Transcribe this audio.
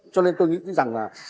cho nên tôi nghĩ rằng là